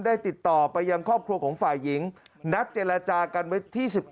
ติดต่อไปยังครอบครัวของฝ่ายหญิงนัดเจรจากันไว้ที่๑๑